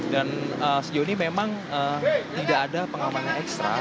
dan sejauh ini memang tidak ada pengamanan ekstra